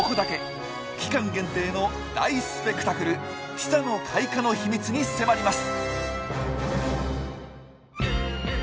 期間限定の大スペクタクル「ティサの開花」の秘密に迫ります。